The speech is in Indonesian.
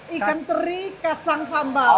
ikan teri kacang sambal